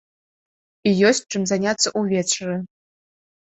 І ёсць чым заняцца ўвечары.